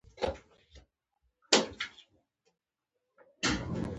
• ته لکه د غاټول خوشبويي یې.